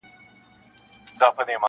• د دنیا هستي لولۍ بولی یارانو -